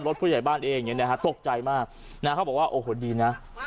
รถผู้ใหญ่บ้านเองตกใจมากเขาบอกว่าโอ้โหดีนะ